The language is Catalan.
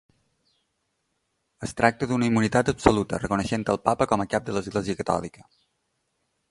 Es tracta d'una immunitat absoluta, reconeixent el Papa com a cap de l'Església Catòlica.